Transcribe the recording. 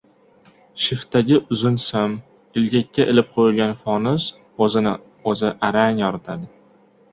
Shiftdagi uzun sim - ilgakka ilib qo‘yilgan fonus o‘zini o‘zi arang yoritadi.